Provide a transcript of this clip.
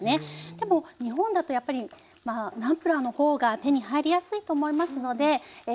でも日本だとやっぱりまあナンプラーの方が手に入りやすいと思いますのでえ